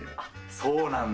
そうなんだ。